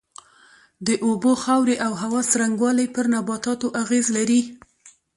د اوبو، خاورې او هوا څرنگوالی پر نباتاتو اغېز لري.